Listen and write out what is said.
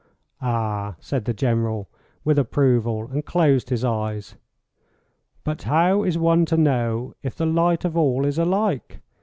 "Ah," said the General, with approval, and closed his eyes. "But how is one to know if the light of all is alike?"